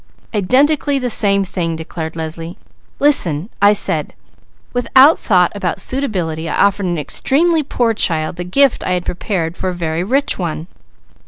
"Identically the same thing!" declared Leslie. "Listen I said! Without a thought about suitability, I offered an extremely poor child the gift I had prepared for a very rich one.